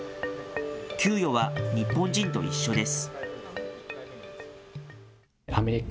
給与は日本人と一緒です。